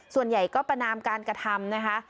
ส่วนใหญ่ก็ประนามการกระทำนะคะ